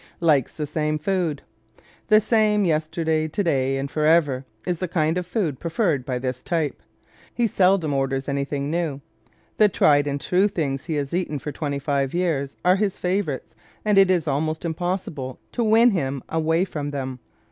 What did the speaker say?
Likes the Same Food ¶ The same "yesterday, today and forever" is the kind of food preferred by this type. He seldom orders anything new. The tried and true things he has eaten for twenty five years are his favorites and it is almost impossible to win him away from them.